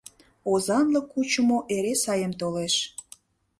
Озанлык кучымо эре саем толеш.